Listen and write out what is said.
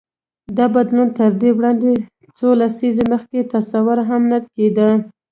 دا بدلون تر دې وړاندې څو لسیزې مخکې تصور هم نه کېده.